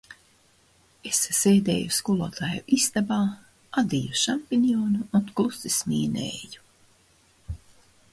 Es sēdēju skolotāju istabā, adīju šampinjonu un klusi smīnēju.